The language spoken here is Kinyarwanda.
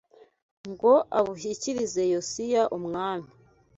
ngo abushyikirize Yosiya umwami